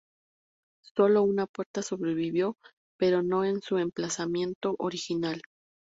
Sólo una puerta sobrevivió, pero no en su emplazamiento original.